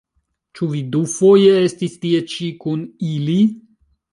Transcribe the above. Ĉu vi dufoje estis tie-ĉi kun ili?